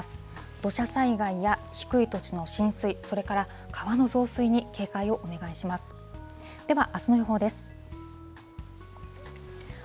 土砂災害や低い土地の浸水、それから川の増水に警戒をお願いします。